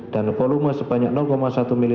dan volume sebanyak satu ml